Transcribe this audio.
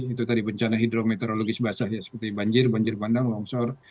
itu tadi bencana hidrometeorologis basah ya seperti banjir banjir bandang longsor